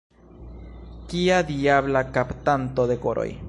Kia diabla kaptanto de koroj!